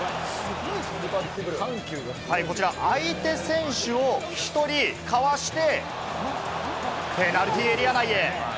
こちら、相手選手を１人かわして、ペナルティーエリア内へ。